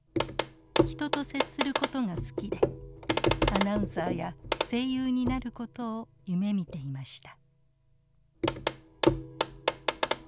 人と接することが好きでアナウンサーや声優になることを夢みていました。